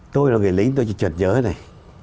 tôi là người lính tôi chỉ chật nhớ này